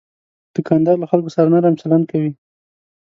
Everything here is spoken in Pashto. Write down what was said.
دوکاندار له خلکو سره نرم چلند کوي.